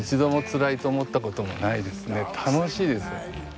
楽しいですよ。